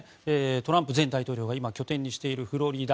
トランプ前大統領が今、拠点にしているフロリダ。